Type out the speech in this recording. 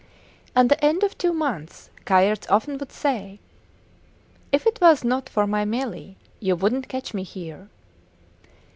At the end of two months Kayerts often would say, If it was not for my Melie, you wouldnt catch me here.